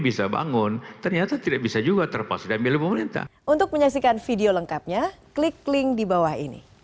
tapi kalau dia bangun ternyata tidak bisa juga terpaksa diambil oleh pemerintah